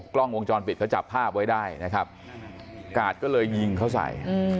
กล้องวงจรปิดเขาจับภาพไว้ได้นะครับกาดก็เลยยิงเขาใส่